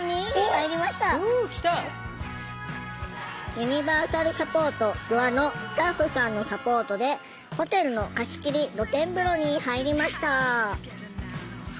「ユニバーサルサポートすわ」のスタッフさんのサポートでホテルの貸し切り露天風呂に入りました。